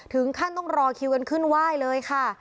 ถึงขั้นต้องรอคิวกันขึ้นไหว้เลยค่ะ